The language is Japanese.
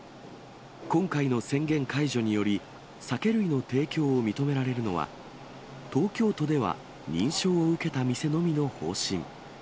今回の宣言解除により、酒類の提供を認められるのは、東京都では認証を受けた店のみの方針。